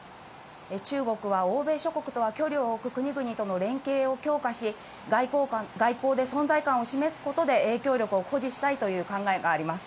中国は欧米諸国とは距離を置く国々との連携を強化し、外交で存在感を示すことで影響力を誇示したいという考えがあります。